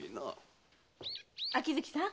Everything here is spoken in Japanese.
秋月さん